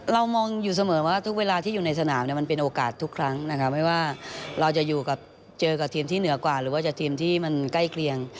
เรามองอยู่เสมอว่าทุกเวลาที่อยู่ในสนามเนี่ยมันเป็นโอกาสทุกครั้งนะครับไม่ว่าเราจะอยู่กับเจอกับทีมที่เหนือกว่าหรือว่าจะทีมที่มันใกล้เคียง